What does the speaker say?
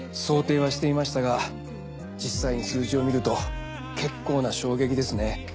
想定はしていましたが実際に数字を見ると結構な衝撃ですね。